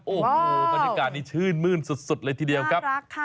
โอ้โหบรรยากาศนี้ชื่นมื้นสุดเลยทีเดียวครับ